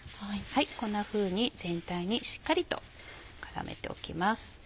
こんなふうに全体にしっかりと絡めておきます。